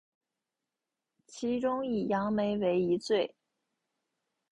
其中以杨梅为一最。